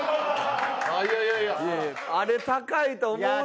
いやいやいやあれ高いと思うで。